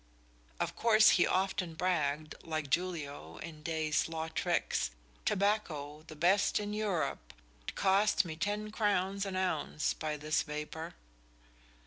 Of course he often bragged, like Julio in Day's "Law Trickes": "Tobacco? the best in Europe, 't cost me ten Crownes an ounce, by this vapour."